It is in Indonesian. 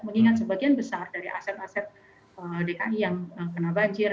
mengingat sebagian besar dari aset aset dki yang kena banjir